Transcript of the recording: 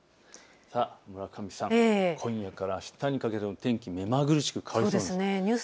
村上さん、今夜からあしたにかけての天気、目まぐるしく変わるんです。